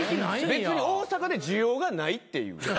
別に大阪で需要がないっていう。